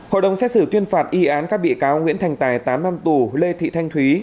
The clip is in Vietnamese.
hội đồng xét xử tuyên phạt y án các bị cáo nguyễn thành tài tám năm tù lê thị thanh thúy